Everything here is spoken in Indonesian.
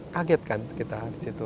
kaget kan kita di situ